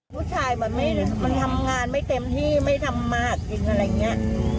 ผู้ชายแบบนี้มันทำงานไม่เต็มที่ไม่ทำมาหักจริงอะไรอย่างเงี้ย